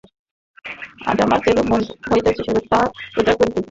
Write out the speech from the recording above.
আজ আমার যেরূপ মনে হইতেছে, সেরূপ প্রচার করিতেছি।